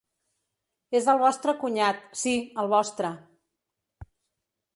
És el vostre cunyat, sí, el vostre.